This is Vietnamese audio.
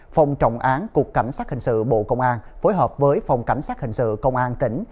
phòng trọng án cục cảnh sát hình sự bộ công an phối hợp với phòng cảnh sát hình sự công an tỉnh